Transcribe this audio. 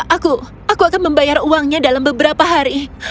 aku aku akan membayar uangnya dalam beberapa hari